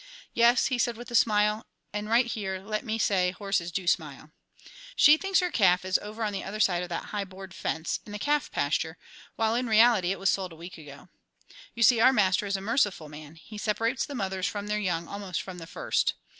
"Yes," he said, with a smile. And right here let me say horses do smile. "She thinks her calf is over on the other side of that high board fence, in the calf pasture, while in reality it was sold a week ago. You see our master is a merciful man; he separates the mothers from their young almost from the first.